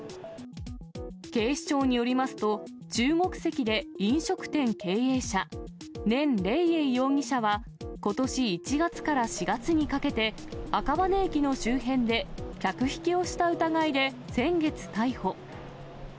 警視庁によりますと、中国籍で飲食店経営者、念麗英容疑者は、ことし１月から４月にかけて、赤羽駅の周辺で客引きをした疑いで、先月逮捕。